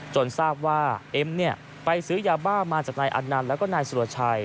ทราบว่าเอ็มไปซื้อยาบ้ามาจากนายอันนันต์แล้วก็นายสุรชัย